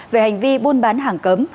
về hành vi buôn bán hàng cấm